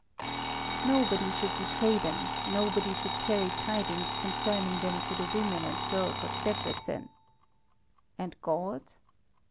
Nobody should betray them, nobody should carry tidings concerning them to the women and girls of Debreczen. And God?